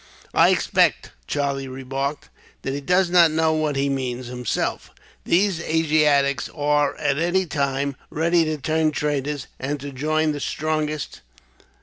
"I expect," Charlie remarked, "that he does not know what he means, himself. These Asiatics are at any time ready to turn traitors, and to join the strongest.